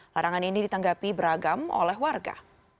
larangan ini ditanggapi beragam oleh warga